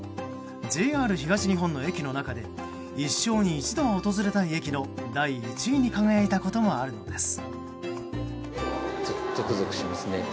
ＪＲ東日本の駅の中で一生に一度は訪れたい駅の第１位に輝いたこともあるのです。